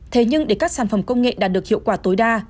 thế nhưng để các sản phẩm công nghệ đạt được hiệu quả tối đa